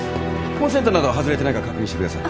コンセントなど外れてないか確認してください。